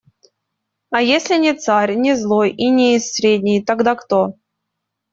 А если не царь, не злой и не из средней, тогда кто?